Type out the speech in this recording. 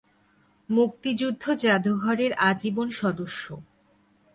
মুক্তিযুদ্ধ জাদুঘরের আজীবন সদস্য।